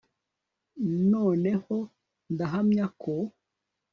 noneho ndahamya ko